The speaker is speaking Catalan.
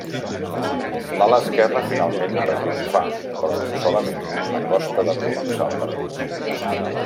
L'ala esquerra finalment va triomfar, però solament a costa de col·lapsar el partit.